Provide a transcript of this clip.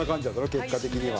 結果的には。